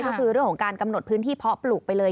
ก็คือเรื่องของการกำหนดพื้นที่เพาะปลูกไปเลย